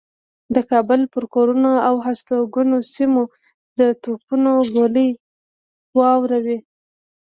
د کابل پر کورونو او هستوګنو سیمو د توپونو ګولۍ و اوروي.